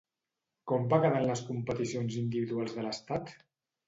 Com va quedar en les competicions individuals de l'estat?